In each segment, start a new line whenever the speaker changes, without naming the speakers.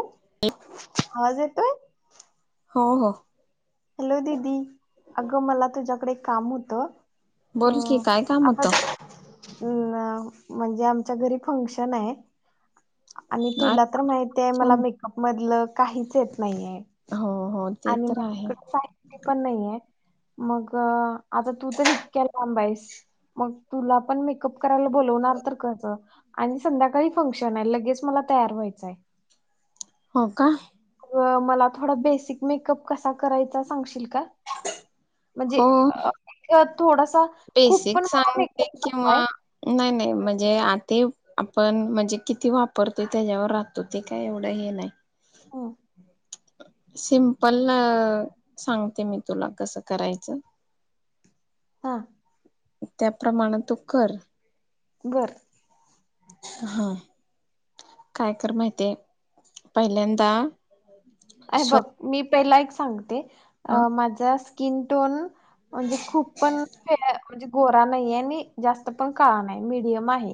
आवाज येतोय
हो हो
हॅलो दीदी अगं मला तुझ्याकडे काम होतं
बोल की काय काम होतं
ह् म्हणजे आमच्या घरी फंक्शन आहे आणि
आज
तुला तर माहितीय
छान
मला मेकअप मधलं काहीच येत नाहीय
हो हो ते तर आहे
पण नाहीय मग आता तू तर इतक्या लांबाईस मग तुला पण मेकअप करायला बोलवणार तर कचं आणि संध्याकाळी फंक्शन आहे लगेच मला तयार व्हायचंय
हो का
मला थोडा बेसिक मेकअप कसा करायचा सांगशील का म्हणजे
हो
अ थोडासा खूप पण
बेसिक
मला
सांगते
मेकअप
किंवा
नकोय.
नाइ नाइ मणजे [unintelligible] आपण म्हणजे किती वापरतोय त्याच्यावर राहतो ते काय एवढं हे नाही
हो
सिमपल अ सांगते मी तुला कसं करायचं
हा
त्याप्रमाण तू कर
घर
हा काय कर माहितीय पहिल्यांदा
अ
स्व
बघ मी पहिला एक सांगते
ह
अ माझा स्किनटोन म्हणजे खूप पण ख म्हणे गोरा नाही आणि जास्त पण कळा नाही मिडयम आहे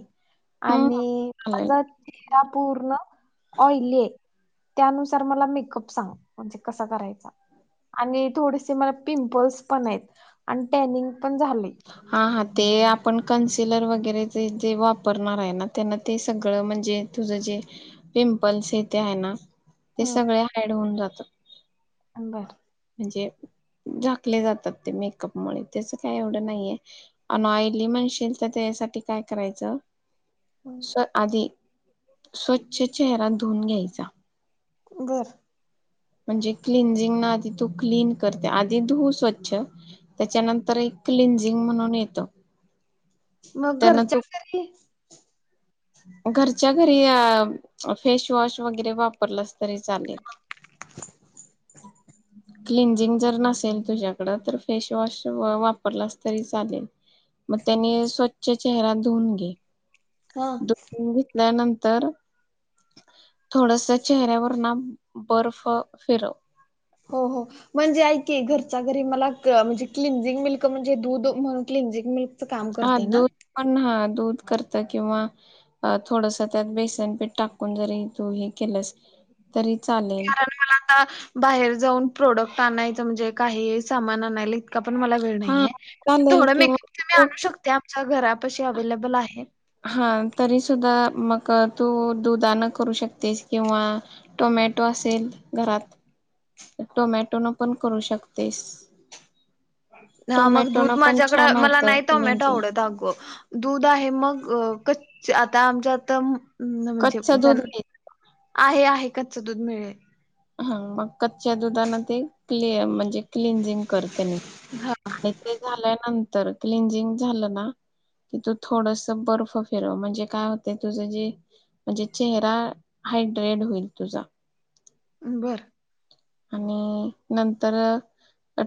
ह
आणि
चालेल
माझा चेहरा पूर्ण ऑइली आहे त्यानुसार मला मेकअप खूप सांग म्हणजे कसा करायचा आणि थोडीसे मला पिंपल्स पण आहेत आणि टॅनिंग पण झाले
हा हा ते आपण कन्सिलर वगेरे जे जे वापरणार हाय ना त्यांना ते सगळं मणजे तुझं जे पिंपल्स हे ते हाय ना ते सगळे हाईड होऊन जात
बर
म्हणजे झाकले जातात ते मेकअप मुळे त्याच काय एवड नाहीये अ ऑयली म्हणशीलील तर त्यासाठी काय करायचं सो आदी स्वच्छ चेहरा धुऊन घ्यायचा
घर
म्हणजे क्लिनझिंग ना आधी तू क्लीन करते आधी धू स्वच्छ त्याच्यानंतर एक क्लिनझिंग म्हणून येतो
मग घरच्या घरी
घरच्या घरी आ फेशवॉश वगेरे वापरलास तरी चालेल
[unintelligible]
क्लिनझिंग जर नसेल तुझ्याकडं तर फेशवॉश वापरलास तरी चालेल म त्यांने स्वच्छ चेहरा धुून घे
हा
त्यानंतर थोडस चेहऱ्यावर ना बर्फ फिरव
हो हो म्हणजे ऐक घरच्या घरी मला म्हणजे क्लिनज मिल्क म्हणजे दूध म्हणून क्लिंज मिल्क
हा दूध पण हा दूध करत किंवा अ थोडस त्यात बेसनपीठ टाकून जरी तू हे केलंस तरी चालेल
कारण मला आता बाहेर जाऊन प्रोडक्ट आणायच म्हणजे काही सामान आणायला ण मला वेळ
हा
नाहीे
चालेल
थोडा मेकअप मी
किंवा
आणू शकते आमच्या घरापाशी अवेलेबल आहे
हा तरी सुुद्धा मग तू दुधानं करू शकतेस किंवा टोमॅटो असेल घरात टोमॅटो न पण करू शकतेस
हा मग दूध
टोमॅटोनं पण
माझ्याकड
छान
मला
होतं
नाहीत टोमॅटो
क्लिंजिंग
आवडत अगं दूध आहे मग अ कच्च आता आमच्यात मणजे
कच्च दूध घे
आहे आहे कच्चं दूध मिळेल
हा मग कच्च्या दुधाना ते क्ले म्हणजे क्लिनजिंग करते म
हा
आणि ते झाल्यानंतर क्लंजिंग झालं ना की तू थोडस बर्फ फिरव म्हणजे काय होते तुझं जे म्हणजे चेहरा हायड्रेड होईल तुझा
बरं
आणि नंतर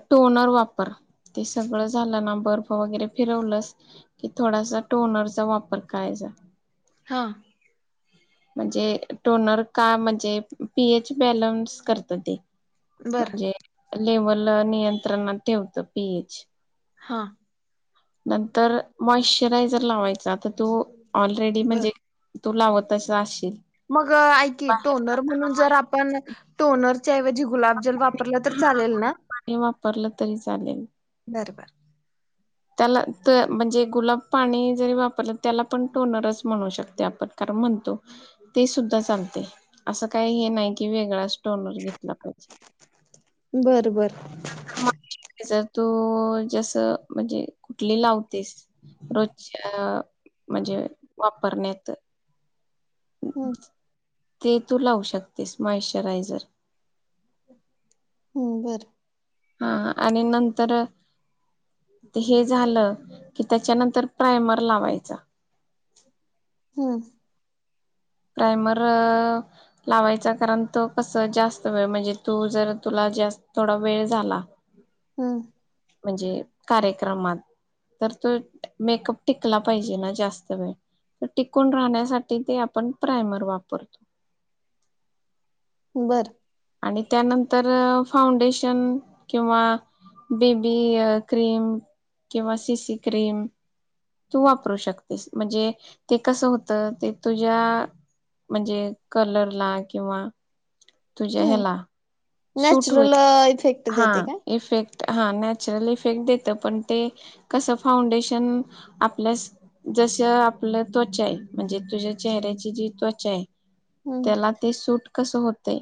टोनर वापर ते सगळं झालं ना बर्फ वगैरे फिरवलंस कि थोडासा टोनरचा वापर करायचा
हां
म्हणजे टोनर का म्हणजे पीएच बॅलन्स करत ते
बर
म्हणजे लेवल नियंत्रणात ठेवत पीएच
हा
नंतर मॉइशचरायझर लावायचा तर तू ऑलरेडी
बर
म्हणजे तू लावतच असशील
मग ऐ क
बाहेरच
टोनर म्हणून जर आपण टोनर ऐवजी गुलाबजल वापरलं तर चालेल ना
पाणी वापरलं तरी चालेल
बर बर
त्याला ते म्हणजे गुलाब पाणी जरी वापरलं त्याला पण टोनरच म्हणू शकतेय आपण. तर म्हणतो ते सुद्धा चालते असं काय हे नाइ की वेगळा असं टॉलर घेतला पाहीजे.
बर बर
मच जर तू जस मणजे कुटली लावतेस रोजच्या मणजे वापरण्यात
हम्म
ते तू लावू शकतेस मॉइश्चरायझर.
हूं बरं
हा आणि नंतर ते हे झालं की त्याच्यानंतर प्रायमर लावायचा.
हम्
प्रायमर लावायचा कारण तो कस जास्त वेळ म्हणजे तू जर तुला जास्त थोडा वेळ झाला.
हं
म्हणजे कार्यक्रमात तर तो मेकअप टिकला पाहिजे ना जास्त वेळ त टिकून राहण्यासाठी ते आपण प्रायमर वापरतो.
बरं
आणि त्यानंतर फाउंडेशन किंवा बी बी क्रीम किंवा सी सी क्रीम तू वापरू शकतेस म्हणजे ते कसं होतं ते तुझ्या म्हणजे कलरला किंवा तुझ्या
हम्म
ह्याला सूट
नॅचरल
होईल
इफेक्ट
हा
देते काय?
इफेक्ट हा नॅचरल इफेक्ट देत पण ते कसं फाउंडेशन आपल्यास जस आपलं त्वचा आहे म्हणजे तुझ्या चेहऱ्याची जी त्वचा आहे.
हम्म
त्याला ते सूट कसं होतंय.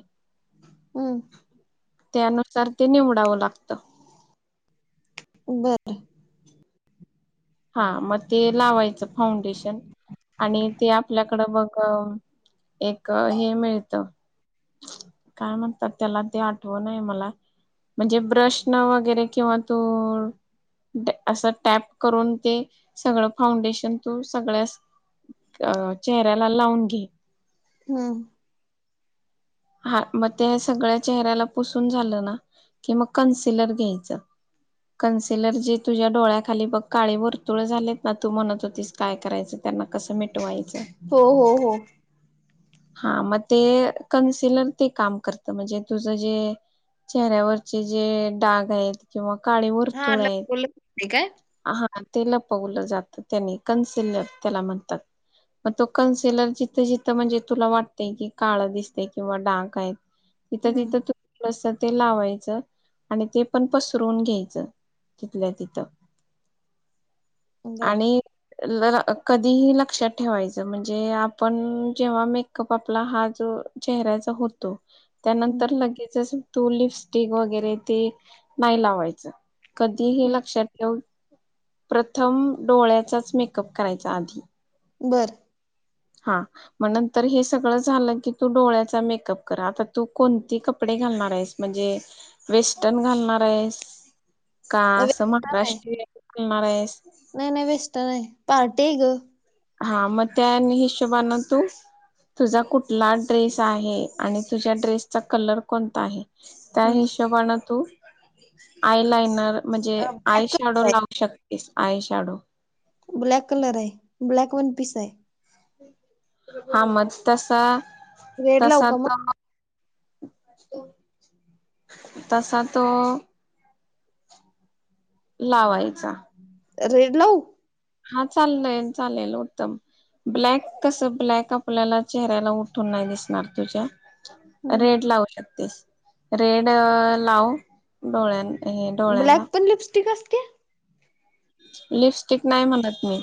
हं
त्यानुसार ते निवडावं लागतं.
बरं
हा मग ते लावायचं फाउंडेशन आणि ते आपल्याकडं बघ एक हे मिळत काय म्हणतात त्याला ते आठव नाय मला म्हणजे ब्रश न वगैरे किंवा तू असं टॅप करून ते सगळं फाउंडेशन तू सगळ्या अ चेहऱ्याला लावून घे.
हूं
हा मग त्या सगळ्या चेहऱ्याला पुसून झालं ना की मग कन्सिलर घ्यायचं. कन्सिलर जी तुझ्या डोळ्याखाली बघ काळी वर्तुळ झालेत ना तू म्हणत होतीस. काय करायचं त्यांना कसं मिटवायचं.
हो हो हो.
हा मग ते कन्सिलर ते काम करत म्हणजे तुझं जे चेहऱ्यावरचे जे डाग आहेत किंवा काळी वर्तुळ आहेत.
ठीक आहे
हा ते लपवलं जातं त्याने कॉन्सिलर त्याला म्हणतात. म तो कॉन्सिलर जिथं जिथं म्हणजे तुला वाटतेय की काळ दिसतय किंवा डाग आहेत
[inaudible]
तिथं तिथ तु थोडस ते लावायचं आणि ते पण पसरवून घ्यायचं तिथल्या तिथं
बर
आणि कधीही लक्षात ठेवायचं म्हणजे आपण जेव्हा मेकअप आपला हा जो चेहऱ्याचा होतो.
हम्म
त्यानंतर लगेचच तू लिपस्टिक वगैरे ते नाही लावायचं कधी हे
हम्म
लक्षात ठेव प्रथम डोळ्याचाच मेकअप करायचा आधी
बरं
हा मग नंतर हे सगळं झालं की तू डोळ्याचा मेकअप करा आता तू कोणती क कपडे घालणार आहेस म्हणजे वेस्टर्न घालणार आहेस का असं
वेस्टर्न आहे
महाराष्ट्रीयलणार आहेस
नाही नाही बेस्ट नाही पार्टी आहे ग
हा मग त्या हिशोबान तू तुझा कुठला ड्रेस आहे आणि तुझ्या ड्रेसचा कलर कोणता आहे त्या
हम्म
हिशोबने तू आय लायनर म्हणजे आ
ब्लॅक
शाडो
कलर आहे
लावू शकतेस आय शाडो
ब्लॅक कलर आहे ब्लॅक वन पीस आहे
हा मग तसा
रेड लावू
तसा
का मग
तर तसा तो लावायचा
रेलव
हा चालल चालेल उत्तम ब्लॅक कस ब्लॅक आपल्याला चेहऱ्याला उठून नाही दिसणार तुझ्या रेड
हम्म
लावू शकतेस रेड लावू डोळ्यां
ब्लॅक पर्न लिपस्टिकस क
लिपस्टिक नाही म्हणत मी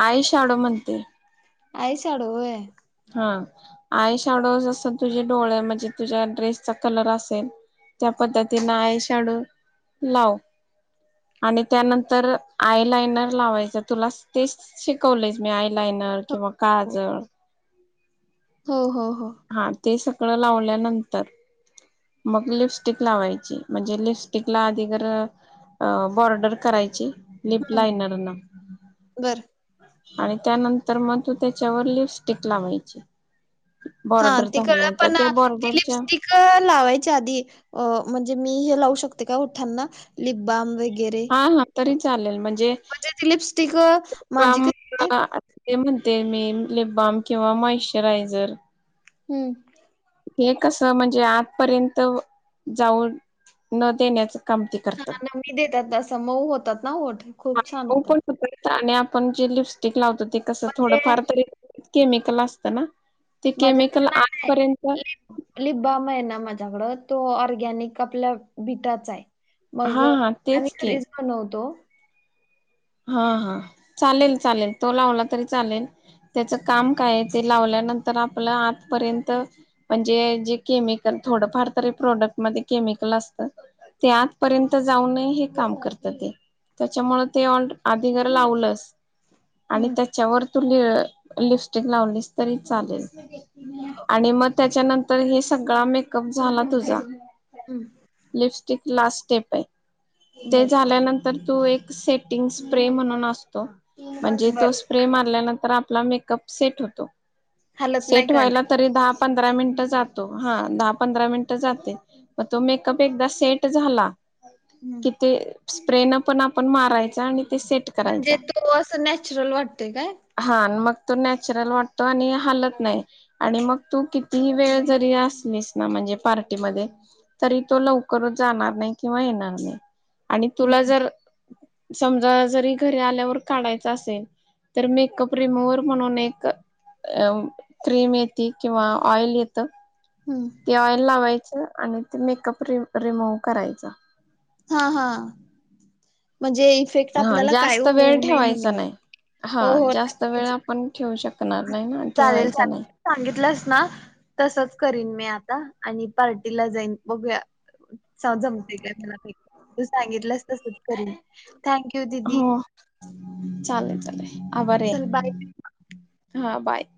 आई शाडू म्हणते
आईशडय
हा आई शाडोजसं तुझे डोळे म्हणजे तुझ्या ड्रेसचा कलर असेल त्या पद्धतीन आयषाडू लाव आणि त्यानंतर आय लाइनर लावायचं तुला तेच शिकवले मही आयलाइनर किंवा काळजळ
हो हो हो
हा ते सगळं लावल्यानंतर मग लिपस्टिक लावायची म्हणजे लिपस्टिकला आधी तरर अ बॉर्डर करायची लिप लायनरना
बरं
आणि त्यानंतर मग तू त्याच्यावर लिपस्टिक लावायची
हा
बॉर्डर
तिकडं
झाल्यानंतर
पण
त्या
अ, ती
बॉर्डरच्या
लिपस्टिक लावायच्या आधी अ म्हणजे मी हे लावू शकते का ठांना लिप बम वगैरे
हा हा तरी चालेल म्हणजे
लिपस्टिक माझी
ह
आहे
ते म्हणते मी लिप बाम किंवा मॉइश्चरायझर
हम्म
हे कस म्हणजे आतपर्यंत जाऊ न देण्याच कमती
हा
करतात
नमी देतात असं मऊ होतात ना ठ खूप छान
हो
होतात
पण आणि आपण जे लिपस्टिक लावतो ते कसं
म्हणजे
थोडंफार तरी केमिकल असत ना ते केमिकल आजपर्यंत
लिबाम आहे ना माझ्याकडं तो ऑर्गॅनिक आपल्या बिटाचा आहे मग
हा हा
आणि
तेच की
इजमा नव्हतो
हा हा चालेल चालेल तो लावला तरी चालेल त्याच काम काय आहे ते लावल्यानंतर आपलं आतपर्यंत म्हणजे जे केमिकल थोडंफार तरी प्रोडक्ट मध्ये केमिकल असतं. ते आतपर्यंत जाऊनय हे काम करत ते त्याच्यामुळे ते ऑ आधी घर लावलं आणि
हम्म
त्या त्याच्यावर तू ल लिपस्टिक लावलीस तरी चालेल. आणि मग त्याच्यानंतर हे सगळा मेकअप झाला तुझा
हम्
लिपस्टिक लास् सेप आहे ते
बर
झाल्यानंतर तू एक सेट िंग स्प्रे म्हणून असतो म्हणजे
बर
तो स्प्रे मारल्यानंतर आपला मेकअप सेट होतो.
हलत नाही
सेट
काय
व्हायला
नाही
तरी दहा पंधरा मिनिट जातो हा दहा पंधरा मिनिट जाते. मग तो मेकअप एकदा सेट झाला.
हम्म.
कि ते स्प्रे न पण आपण मारायच आणि ते सेट
म्हणजे
करायचा
तो असं नॅचरल वाटतय काय?
हा आणि मग तो नॅचरल वाटतो आणि हालत नाही. आणि मग तू कितीही वेळ जरी असलीस ना म्हणजे पार्टीमध्ये तरी तो लवकरच जाणार नाही किंवा येणार नाही आणि
हम्म
तुला जर समजा जरी घरी आल्यावर काढायच असेल, तर मेकअप रिम म्हणून एक अ क्रीम येत किंवा ऑइल येत.
हम
ती ऑइल लावायच आणि ते मेकअप रि रिमूव करायचं.
हा हा म्हणजे इफेक्ट
हा
आपल्याला काय
जास्त वेळ
होऊ नये
ठेवायचा
म्हणून
नाही हा
हो हो
जास्त वेळ
नक्कीच
आपण ठेवू शकणार नाही ना
चालेल
ठेवायचा नाही.
चालेल सांगितलंस ना तसच करीन मी आता आणि पार्टीला जाईन बघूया. जमते काय मला नाही तू सांगितलंस तस करी
हो चालेल चालेल आभारी
चल बाय
आहे बाय